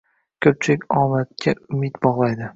Ko‘pchilik omadga umid bog‘laydi